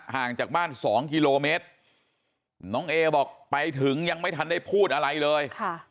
ห่างจากบ้าน๒กิโลเมตรน้องเอบอกไปถึงยังไม่ทันได้พูดอะไรเลย